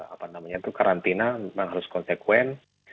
apa namanya itu karantina memang harus konsekuen